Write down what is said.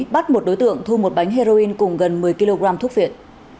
bắt một đối tượng thu một bánh heroin cùng gần một mươi kg thuốc viện